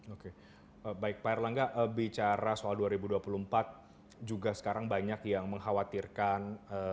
oke baik pak erlangga bicara soal dua ribu dua puluh empat juga sekarang banyak yang mengkhawatirkan